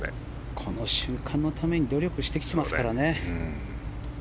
この瞬間のために努力してきてますからね。